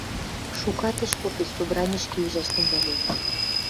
Шукат ӹш попеп, собранишкӹ ӱжӓш тӹнгӓлевӹ.